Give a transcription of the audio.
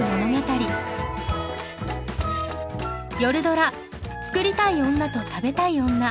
夜ドラ「作りたい女と食べたい女」。